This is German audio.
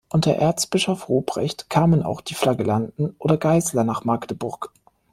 Unter Erzbischof Ruprecht kamen auch die Flagellanten oder Geißler nach Magdeburg.